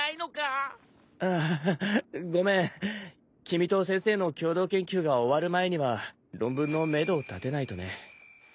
君と先生の共同研究が終わる前には論文のめどを立てないとね。